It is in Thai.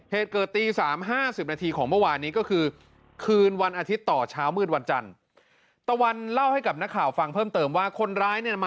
เหตุเกิดตี๓๕๐นาทีของเมื่อวานนี้ก็คือคืนวันอาทิตย์ต่อช้าวมืดวันจันทร์